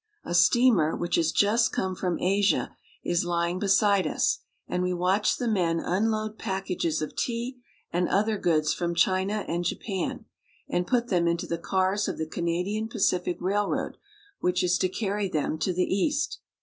A steamer which has just come from Asia is lying beside us, and we watch the men unload packages of tea and other goods from China and Japan, and put them into the cars of the Canadian Pacific Railroad, which is to carry them to the East.